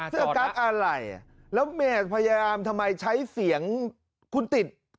เสื้อกั๊กอะไรแล้วแม่พยายามทำไมใช้เสียงคุณติด